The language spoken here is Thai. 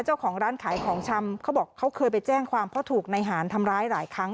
เจ้าของร้านขายของชำเขาบอกเขาเคยไปแจ้งความเพราะถูกในหารทำร้ายหลายครั้ง